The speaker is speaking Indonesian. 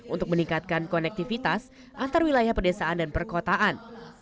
untuk meningkatkan konektivitas antar wilayah pedesaan dan perkotaan